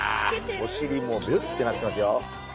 おしりもビュッてなってますよ。